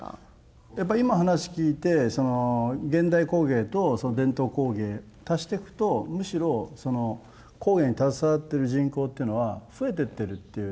やっぱ今話聞いて現代工芸と伝統工芸足してくとむしろ工芸に携わってる人口っていうのは増えてってるっていうね。